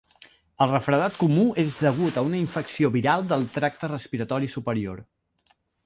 El refredat comú és degut a una infecció viral del tracte respiratori superior.